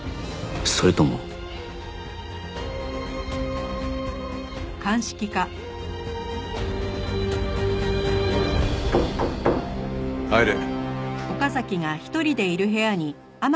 それとも入れ。